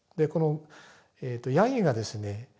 このヤギがですね